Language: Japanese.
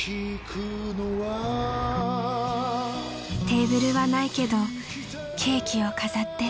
［テーブルはないけどケーキを飾って］